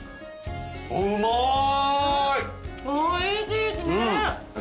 おいしいですね。